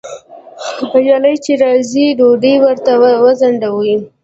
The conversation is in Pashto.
بریالی چې راځي ډوډۍ ورته وځنډوئ